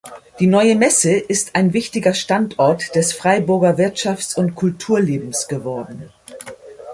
Die Neue Messe ist ein wichtiger Standort des Freiburger Wirtschafts- und Kulturlebens geworden.